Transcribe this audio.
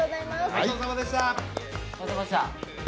ごちそうさまでした。